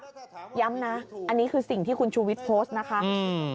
เหมือนข้างนอกนะครับย้ำนะอันนี้คือสิ่งที่คุณชูวิทย์โพสต์นะครับ